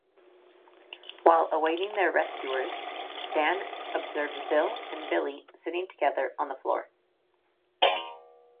While awaiting their rescuers, Dan observes Bill and Billie sitting together on the floor.